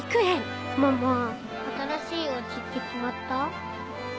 ママ新しいお家って決まった？